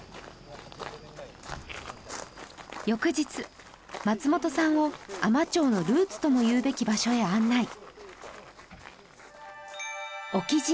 翌日松本さんを海士町のルーツともいうべき場所へ案内